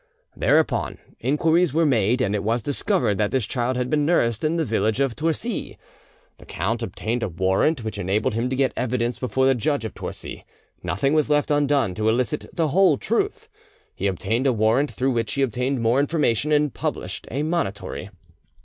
Thereupon inquiries were made, and it was discovered that this child had been nursed in the village of Torcy. The count obtained a warrant which enabled him to get evidence before the judge of Torcy; nothing was left undone to elicit the whole truth; he also obtained a warrant through which he obtained more information, and published a monitory.